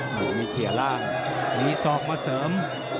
มีเขียล่างมีศอกมาเสริม